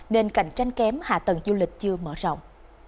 nên cạnh tranh kém hạ tầng du lịch chưa mở rộng